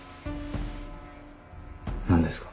何ですか？